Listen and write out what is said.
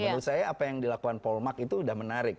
menurut saya apa yang dilakukan polmark itu sudah menarik